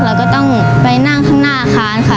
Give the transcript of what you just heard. เราก็ต้องไปนั่งข้างหน้าอาคารค่ะ